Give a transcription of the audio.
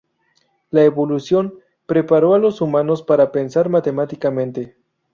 La "evolución" "preparó a los humanos para pensar matemáticamente.